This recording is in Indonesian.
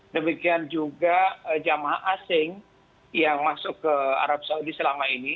demikian juga jamaah asing yang masuk ke arab saudi selama ini